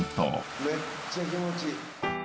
めっちゃ気持ちいい！